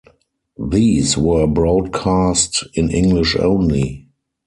These were broadcast in English only.